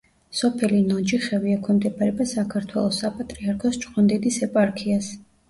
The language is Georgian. სოფელი ნოჯიხევი ექვემდებარება საქართველოს საპატრიარქოს ჭყონდიდის ეპარქიას.